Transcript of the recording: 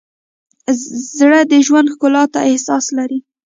زړه د ژوند ښکلا ته احساس لري.